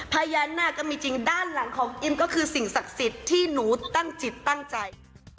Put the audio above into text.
พญานาคก็มีจริงด้านหลังของอิมก็คือสิ่งศักดิ์สิทธิ์ที่หนูตั้งจิตตั้งใจ